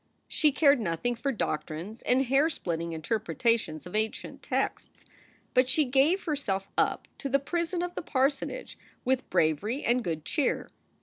She cared nothing for doctrines and hair splitting interpretations of ancient texts, but she gave herself up to the prison of the parsonage with bravery and good cheer.